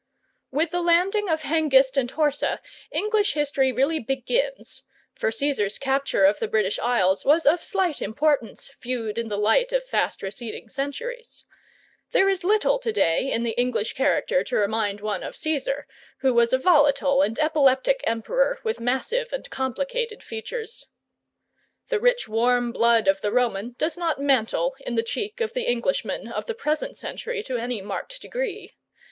With the landing of Hengist and Horsa English history really begins, for Caesar's capture of the British Isles was of slight importance viewed in the light of fast receding centuries. There is little to day in the English character to remind one of Caesar, who was a volatile and epileptic emperor with massive and complicated features. The rich warm blood of the Roman does not mantle in the cheek of the Englishman of the present century to any marked degree.